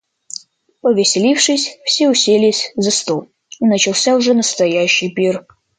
Повеселившись, все уселись за стол, и начался уже настоящий пир.